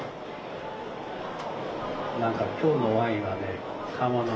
なんか今日のワインはね